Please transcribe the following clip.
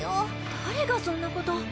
誰がそんなこと。